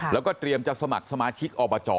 แล้วก็เตรียมจะสมัครสมาชิกอบจ